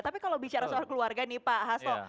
tapi kalau bicara soal keluarga nih pak hasto